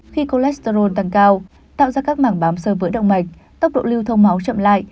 khi cholesterol tăng cao tạo ra các mảng bám sơ vỡ động mạch tốc độ lưu thông máu chậm lại